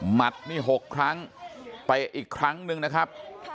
หัดนี่๖ครั้งไปอีกครั้งหนึ่งนะครับ